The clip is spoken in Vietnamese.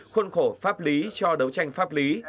khuôn khổ pháp lý cho đấu tranh pháp lý